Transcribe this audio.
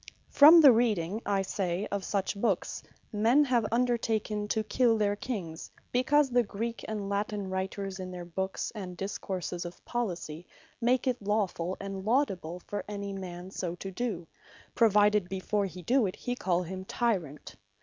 From the reading, I say, of such books, men have undertaken to kill their Kings, because the Greek and Latine writers, in their books, and discourses of Policy, make it lawfull, and laudable, for any man so to do; provided before he do it, he call him Tyrant.